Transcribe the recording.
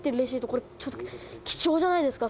これちょっと貴重じゃないですか